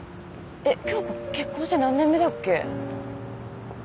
えっ響子結婚して何年目だっけ？